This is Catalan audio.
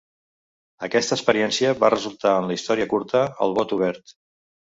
Aquesta experiència va resultar en la història curta "El bot obert".